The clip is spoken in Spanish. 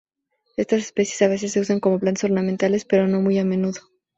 Estas especies a veces se usan como plantas ornamentales, pero no muy a menudo.